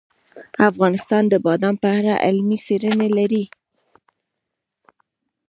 افغانستان د بادام په اړه علمي څېړنې لري.